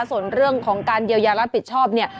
ส่วนเรื่องของการเยียวยารับผิดชอบเนี่ย